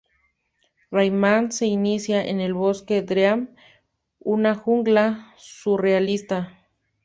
Rayman se inicia en el Bosque Dream, una jungla surrealista.